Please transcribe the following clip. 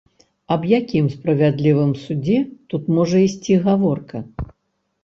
Аб якім справядлівым судзе тут можа ісці гаворка?